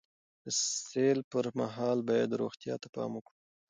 د سیل پر مهال باید روغتیا ته پام وکړو.